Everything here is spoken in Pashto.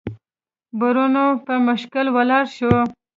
برونو په مشکل ولاړ شو.